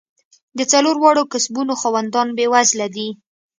د څلور واړو کسبونو خاوندان بېوزله دي.